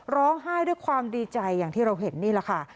ร้องไห้ด้วยความดีใจอย่างที่เราเห็นนี่แหละค่ะ